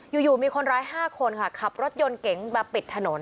อยู่มีคนร้าย๕คนค่ะขับรถยนต์เก๋งมาปิดถนน